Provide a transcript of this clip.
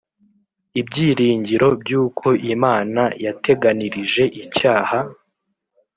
Ibyiringiro by'uko Imana yateganirije icyaha